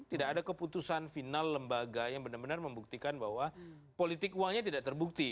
tidak ada keputusan final lembaga yang benar benar membuktikan bahwa politik uangnya tidak terbukti